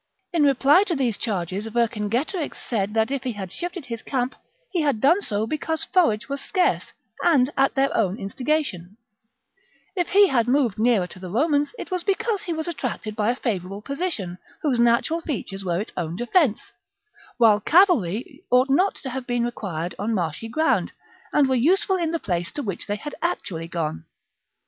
In reply to these charges Vercingetorix said that if he had shifted his camp, he had done so because forage was scarce and at their own instigation ; if he had moved nearer to the Romans, it was because he was attracted by a favourable position, whose natural features were its own defence ; while cavalry ought not to have been required on marshy ground, and were useful in the place to which they had actually gone.